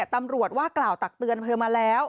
ตำรวจว่ากล่าวตักเตือนเธอมาแล้ว